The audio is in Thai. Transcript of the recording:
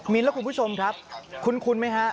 มีนและคุณผู้ชมครับคุ้นไหมฮะ